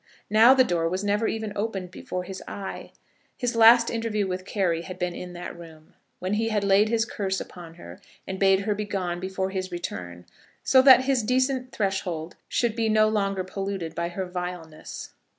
Now the door was never even opened before his eye. His last interview with Carry had been in that room, when he had laid his curse upon her, and bade her begone before his return, so that his decent threshold should be no longer polluted by her vileness.